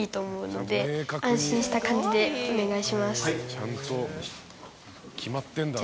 ちゃんと決まってんだな。